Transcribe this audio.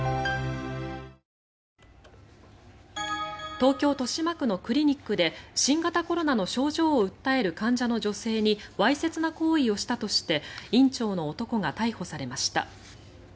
東京・豊島区のクリニックで新型コロナの症状を訴える患者の女性にわいせつな行為をしたとして院長の男が逮捕されました。